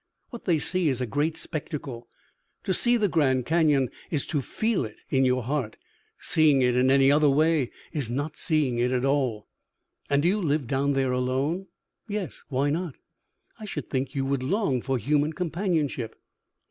What they see is a great spectacle. To see the Grand Canyon is to feel it in your heart. Seeing it in any other way is not seeing it at all." "And do you live down there alone?" "Yes. Why not?" "I should think you would long for human companionship."